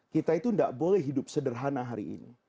kita itu tidak boleh hidup sederhana hari ini